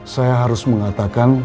saya harus mengatakan